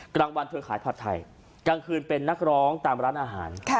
กลางวันเธอขายผัดไทยกลางคืนเป็นนักร้องตามร้านอาหาร